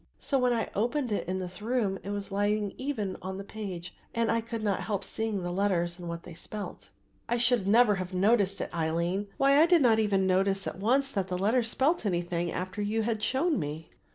So, when I opened it in this room, it was lying even on the page and I could not help seeing the letters and what they spelt." "I should never have noticed it, Aline; why I did not even notice at once that the letters spelt anything after you had shown me."